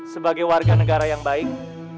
sebagai warga negara yang baik